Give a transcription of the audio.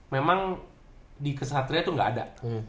memang di ksatria tuh gak ada